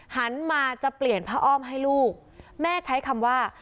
หันมาจะเปลี่ยนผ้าอ้อมให้ลูกแม่ใช้คำว่า